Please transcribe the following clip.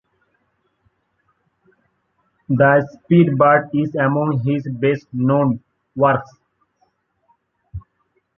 The Speedbird is among his best known works.